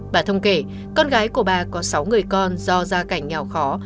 bà thông kể con gái của bà có sáu người con do gia cảnh nghèo khó